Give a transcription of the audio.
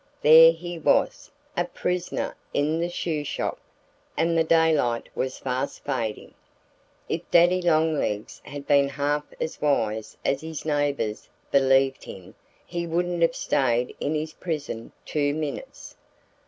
There he was, a prisoner in the shoe shop! And the daylight was fast fading. If Daddy Longlegs had been half as wise as his neighbors believed him he wouldn't have stayed in his prison two minutes.